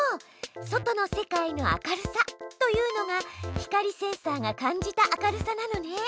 「外の世界の明るさ」というのが光センサーが感じた明るさなのね。